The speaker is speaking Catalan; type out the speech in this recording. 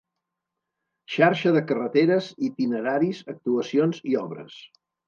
Xarxa de carreteres, itineraris, actuacions i obres.